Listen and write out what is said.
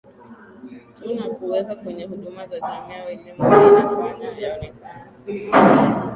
tu na kuuweka kwenye huduma za jamii au elimu hii inafanya yaonekane